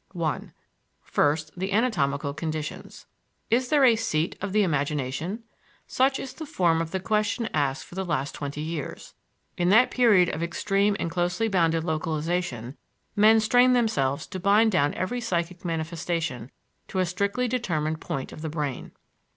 I First, the anatomical conditions. Is there a "seat" of the imagination? Such is the form of the question asked for the last twenty years. In that period of extreme and closely bounded localization men strained themselves to bind down every psychic manifestation to a strictly determined point of the brain.